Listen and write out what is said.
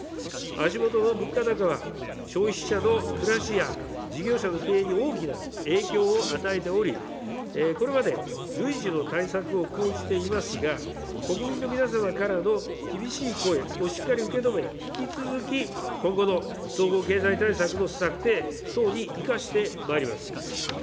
足下の物価高は消費者の暮らしや事業者の経営に大きな影響を与えており、これまで、累次の対策を講じていますが、国民の皆様からの厳しい声をしっかり受け止め、引き続き今後の総合経済対策の策定等に生かしてまいります。